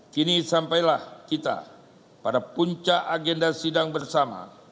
kini sampailah kita pada puncak agenda sidang bersama